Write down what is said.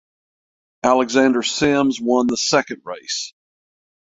Alexander Sims won the second race.